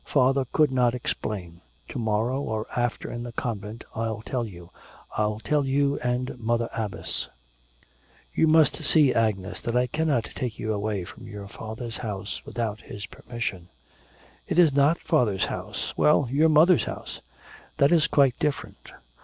Father could not explain. To morrow, or after in the convent I'll tell you. I'll tell you and the Mother Abbess.' 'You must see, Agnes, that I cannot take you away from your father's house without his permission.' 'It is not father's house.' 'Well, your mother's house.' 'That is quite different.